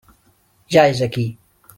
Ja és aquí.